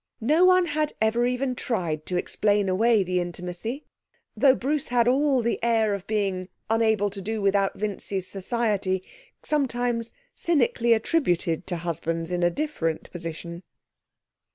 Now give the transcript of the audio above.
No one had ever even tried to explain away the intimacy, though Bruce had all the air of being unable to do without Vincy's society sometimes cynically attributed to husbands in a different position.